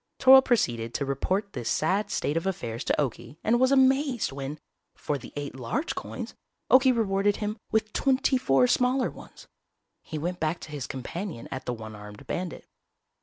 Toryl proceeded to report this sad state of affairs to Okie and was amazed when, for the eight large coins, Okie rewarded him with twenty four smaller ones. He went back to his companion at the one armed bandit.